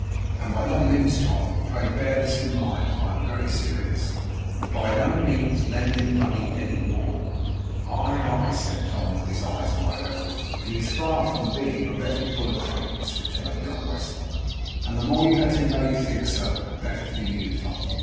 And by no means, Tom pray bear this in mind, for I am very serious by no means lend him money any more.' 'Aye, aye!' said Tom, with his eyes wide open. 'He is very far from being a reputable acquaintance,' returned young Westlock; 'and the more you let him know you think so, the better for you, Tom.